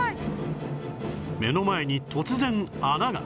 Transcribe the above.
目の前に突然穴が